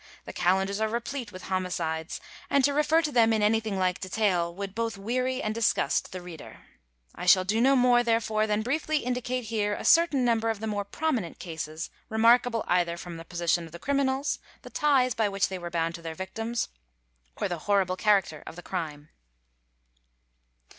The calendars are replete with homicides, and to refer to them in anything like detail would both weary and disgust the reader. I shall do no more, therefore, than briefly indicate here a certain number of the more prominent cases remarkable either from the position of the criminals, the ties by which they were bound to their victims, or the horrible character of the crime.